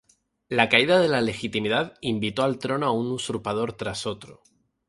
La caída de la legitimidad invitó al trono a un usurpador tras otro.